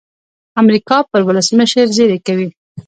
امریکا پر ولسمشر زېری کوي.